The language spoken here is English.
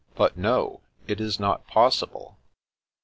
" But no, it is not possible